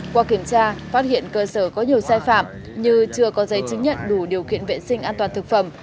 qua kiểm tra phát hiện cơ sở có nhiều sai phạm như chưa có giấy chứng nhận đủ điều kiện vệ sinh an toàn thực phẩm